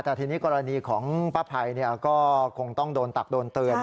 อันนี้ของพระภัยเนี่ยก็คงต้องโดนตักโดนเตือน